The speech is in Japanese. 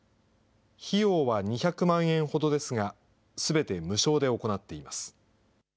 費用は２００万円ほどですが、すべて無償で行っています。